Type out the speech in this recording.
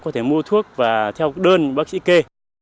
có thể mua thuốc và theo đơn bác sĩ kê